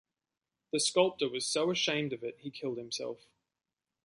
The sculptor was so ashamed of it he killed himself.